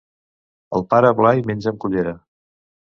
El pare Blai menja amb cullera.